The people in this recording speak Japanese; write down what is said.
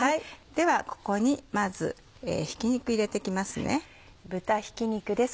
ではここにまずひき肉入れていきますね。